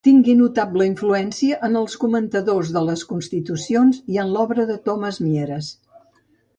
Tingué notable influència en els comentadors de les Constitucions i en l'obra de Tomàs Mieres.